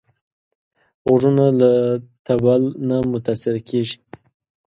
غوږونه له طبل نه متاثره کېږي